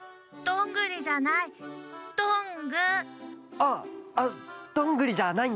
あっあどんぐりじゃないんだね。